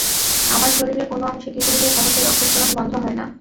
আমার শরীরের কোনো অংশে কেটে গেলে সহজে রক্তক্ষরণ বন্ধ হয় না।